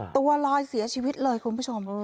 ตัวลอยเสียชีวิตเลยคุณผู้ชม